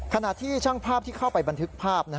ขณะที่ช่างภาพที่เข้าไปบันทึกภาพ